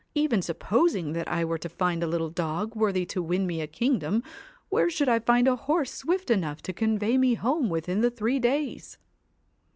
Even supposing that I were to find a little dog worthy to win me a kingdom, where should I find a horse swift enough to convey me home within the three days